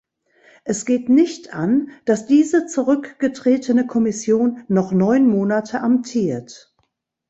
Es geht nicht an, dass diese zurückgetretene Kommission noch neun Monate amtiert.